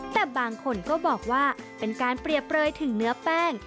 แต่บางคนก็บอกว่าเป็นการเปรียบเปลยถึงเนื้อแป้ง